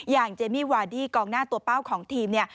อย่างเจมมี่วาดี้กองหน้าตัวเป้าของทีม